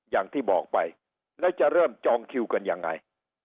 อย่างที่บอกไปแล้วจะเริ่มจองคิวกันยังไง